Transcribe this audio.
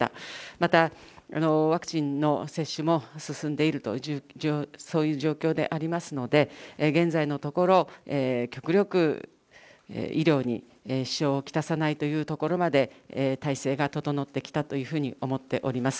また、ワクチンの接種も進んでいると、そういう状況でありますので、現在のところ、極力、医療に支障を来さないというところまで体制が整ってきたというふうに思っております。